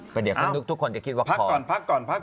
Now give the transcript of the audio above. ก็เดี๋ยวทุกคนจะคิดว่าพักก่อน